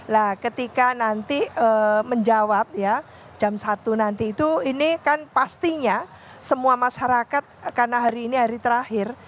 nah ketika nanti menjawab ya jam satu nanti itu ini kan pastinya semua masyarakat karena hari ini hari terakhir